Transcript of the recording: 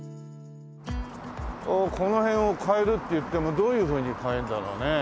この辺を変えるっていってもどういうふうに変えるんだろうね？